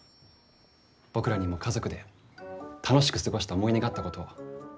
僕らにも家族で楽しく過ごした思い出があったことを。